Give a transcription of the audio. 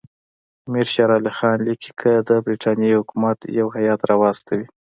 امیر شېر علي خان لیکي که د برټانیې حکومت یو هیات راواستوي.